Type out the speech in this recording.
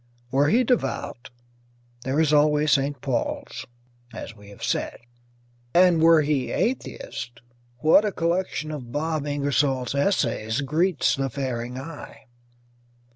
Were he devout, there is always St. Paul's, as we have said; and were he atheist, what a collection of Bob Ingersoll's essays greets the faring eye!